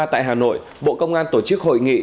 tại hà nội bộ công an tổ chức hội nghị